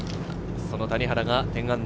その谷原が−１０。